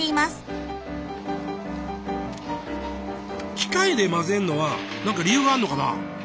機械で混ぜるのは何か理由があんのかな？